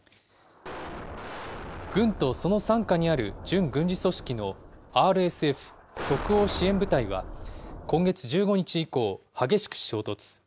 軍とその傘下にある準軍事組織のＲＳＦ・即応支援部隊は、今月１５日以降、激しく衝突。